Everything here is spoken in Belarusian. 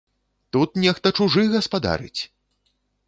Тут нехта чужы гаспадарыць!